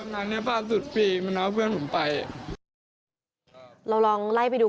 นางเนี้ยป้าสุดฟรีมันเอาเพื่อนผมไปเราลองไล่ไปดู